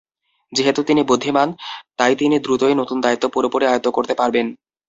যেহেতু তিনি বুদ্ধিমান, তাই তিনি দ্রুতই নতুন দায়িত্ব পুরোপুরি আয়ত্ত করতে পারবেন।